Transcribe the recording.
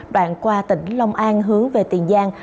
đoạn qua tỉnh long an hướng về tiền giang